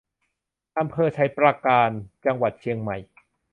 อำเภอไชยปราการ จังหวัดเชียงใหม่